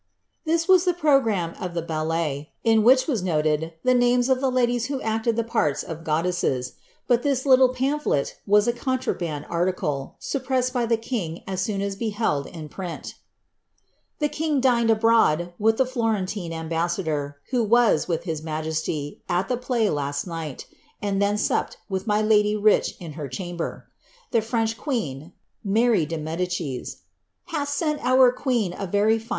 "' This ivas the programme of the Idle;, in which was noted the names of the ladies who acted the parts ofW desses ; but this little pamphlet was a conirnband arlicle. suppressed hr the king as soon as beheld in print. "The king dined abroad, with the Florenline ambassador, who was, with his majesty, at the play 1j 1 iiighi. and then supped with my lady Rich' in her chamber. The French queen," (Mary de .Medicia.) " hath sent our queen a very lir.